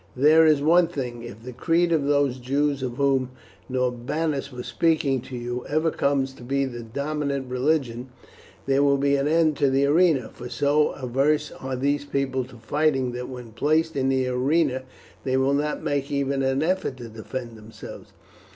There is one thing, if the creed of those Jews of whom Norbanus was speaking to you ever comes to be the dominant religion, there will be an end to the arena, for so averse are these people to fighting, that when placed in the arena they will not make even an effort to defend themselves.